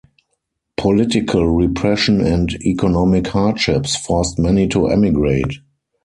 Political repression and economic hardships forced many to emigrate.